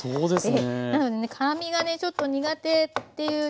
なのでね辛みがねちょっと苦手っていうね